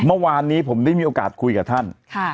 เมื่อวานนี้ผมได้มีโอกาสคุยกับท่าน